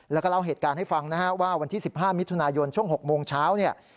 แล้วก็เล่าเหตุการณ์ให้ฟังนะฮะว่าวันที่๑๕มิถุนายนช่วง๖โมงเช้าเนี่ย